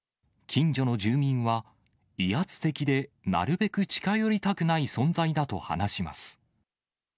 近所の住民は、威圧的で、なるべく近寄りたくない存在だと話します。